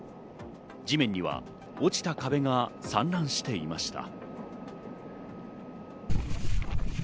地面には落ちた壁が散乱していました。